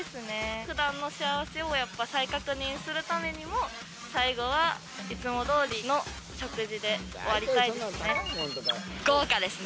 ふだんの幸せをやっぱ再確認するためにも、最後は、いつもどおり豪華ですね。